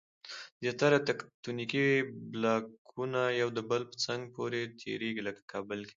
زیاره تکتونیکي بلاکونه یو د بل په څنګ پورې تېریږي. لکه کابل کې